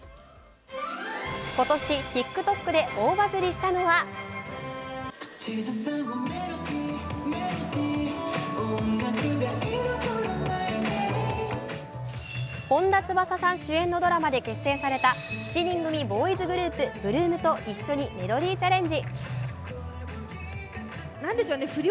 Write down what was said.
今年、ＴｉｋＴｏｋで大バズりしたのは本田翼さんが主演するドラマで結成された７人組ボーイズグループ・８ＬＯＯＭと一緒にメロディーチャレンジ。